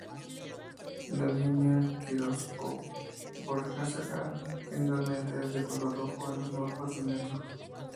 La línea Kirovsko-Vyborgskaya generalmente es de color rojo en los mapas de metro.